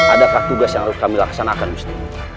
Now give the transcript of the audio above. adakah tugas yang harus kami laksanakan mestinya